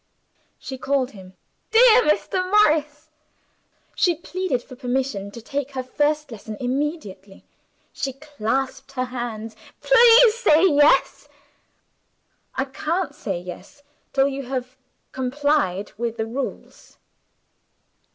She called him "dear Mr. Morris"; she pleaded for permission to take her first lesson immediately; she clasped her hands "Please say Yes!" "I can't say Yes, till you have complied with the rules."